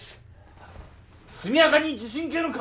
速やかに地震計の確認を！